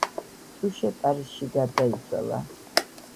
ტუშე პარიზში გარდაიცვალა.